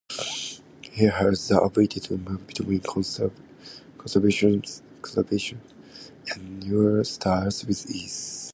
He has the ability to move between conservative and newer styles with ease.